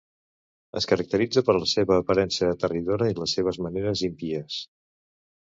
Es caracteritza per la seva aparença aterridora i les seves maneres impies.